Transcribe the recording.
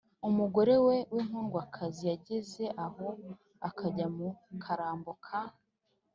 umugore we w'inkundwakazi, yageze aho akajya mu karambo ka